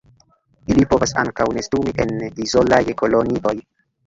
Ili povas ankaŭ nestumi en izolaj kolonioj.